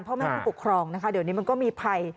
พ่อแม่ผู้ปกครองนะคะเดี๋ยวนี้มันก็มีภัย